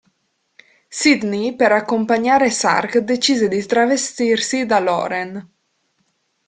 Sydney, per accompagnare Sark decide di travestirsi da Lauren.